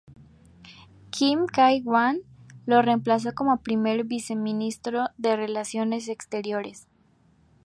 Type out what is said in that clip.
Kim Kye-gwan lo reemplazó como primer viceministro de relaciones exteriores.